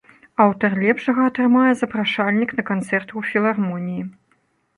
Аўтар лепшага атрымае запрашальнік на канцэрт у філармоніі.